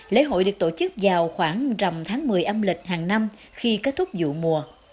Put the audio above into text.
lễ hội được tổ chức vào khoảng rằm tháng một mươi âm lịch hàng năm khi kết thúc vụ mùa